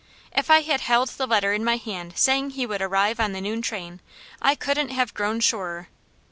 If I had held the letter in my hand saying he would arrive on the noon train, I couldn't have grown surer.